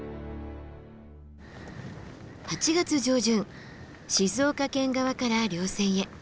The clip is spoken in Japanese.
８月上旬静岡県側から稜線へ。